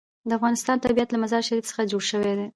د افغانستان طبیعت له مزارشریف څخه جوړ شوی دی.